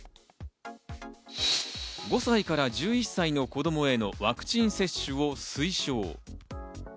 ５歳から１１歳の子供へのワクチン接種を推奨。